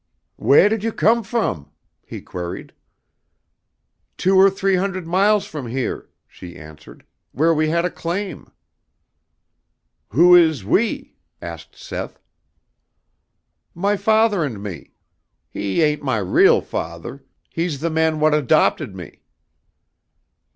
"Wheah did you come frum?" he queried. "Two or three hundred miles from here," she answered, "where we had a claim." "Who is we?" asked Seth. "My father and me. He ain't my real father. He's the man what adopted me."